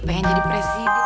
pengen jadi presiden